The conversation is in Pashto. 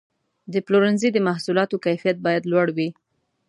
د پلورنځي د محصولاتو کیفیت باید لوړ وي.